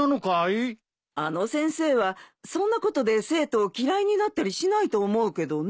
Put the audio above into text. あの先生はそんなことで生徒を嫌いになったりしないと思うけどね。